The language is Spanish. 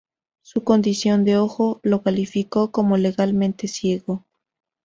Su condición de ojo, lo calificó como legalmente ciego.